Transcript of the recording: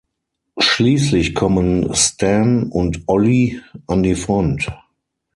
Schließlich kommen Stan und Ollie an die Front.